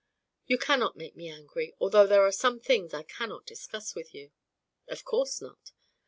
"You cannot make me angry, although there are some things I cannot discuss with you." "Of course not.